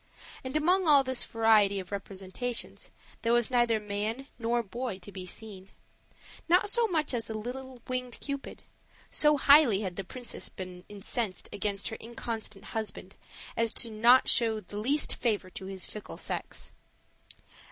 And among all this variety of representations there was neither man nor boy to be seen not so much as a little winged Cupid; so highly had the princess been incensed against her inconstant husband as not to show the least favor to his fickle sex.